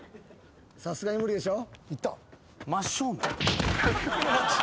さすがに無理でしょ。